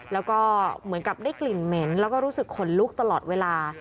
แล้วก็เหมือนกับได้กลิ่นเหม็นแล้วก็รู้สึกขนลุกตลอดเวลา